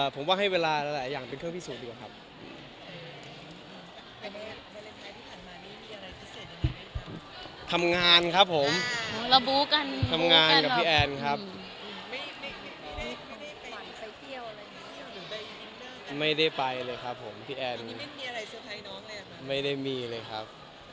ผมว่าให้เวลาหลายอย่างเป็นเครื่องพิสูจน์ดีกว่าครับ